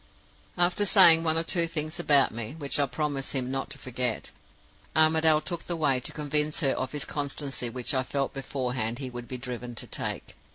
"After saying one or two things about me, which I promise him not to forget, Armadale took the way to convince her of his constancy which I felt beforehand he would be driven to take.